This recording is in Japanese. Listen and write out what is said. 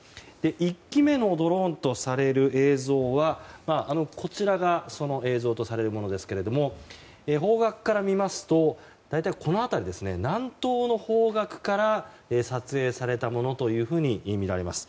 １機目のドローンとされる映像はこちらが、その映像とされるものですけれども方角から見ますと大体、南東の方角から撮影されたものとみられます。